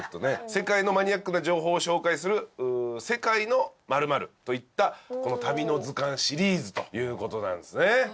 世界のマニアックな情報を紹介する「世界の○○」といった『旅の図鑑シリーズ』という事なんですね。